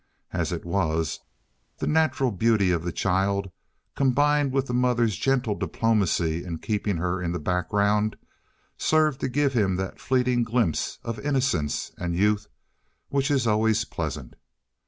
As it was, the natural beauty of the child, combined with the mother's gentle diplomacy in keeping her in the background, served to give him that fleeting glimpse of innocence and youth which is always pleasant.